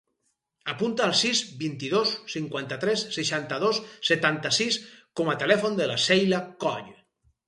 Apunta el sis, vint-i-dos, cinquanta-tres, seixanta-dos, setanta-sis com a telèfon de la Sheila Coll.